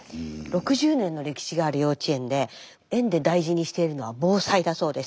６０年の歴史がある幼稚園で園で大事にしているのは防災だそうです。